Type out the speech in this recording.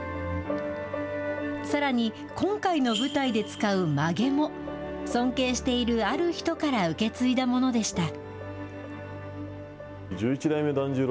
さらに、今回の舞台で使うまげも、尊敬しているある人から受け継いだものでした。